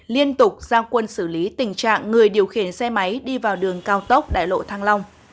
liên tục giao quân xử lý tình trạng người điều khiển xe máy đi vào đường cao tốc đại lộ thăng long